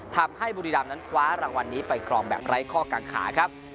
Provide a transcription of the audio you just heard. บุรีรำนั้นคว้ารางวัลนี้ไปครองแบบไร้ข้อกังขาครับ